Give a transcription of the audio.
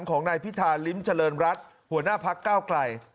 ของนายพิธาลิ้มเจริญรัฐหัวหน้าพักเก้าไกล